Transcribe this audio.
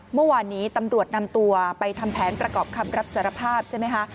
เมื่อวานนี้ตำรวจนำตัวไปทำแผนประกอบคำรับสารภาพใช่ไหมคะ